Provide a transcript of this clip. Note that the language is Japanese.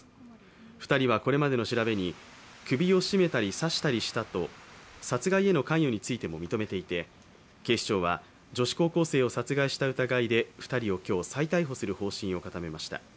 ２人はこれまでの調べに、首を絞めたり刺したりしたと殺害への関与についても認めていて警視庁は女子高校生を殺害した疑いで２人を今日、再逮捕する方針を固めました。